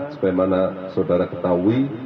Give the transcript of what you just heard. supaya mana saudara ketahui